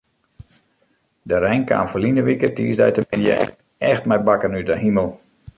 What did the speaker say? De rein kaam ferline wike tiisdeitemiddei echt mei bakken út de himel.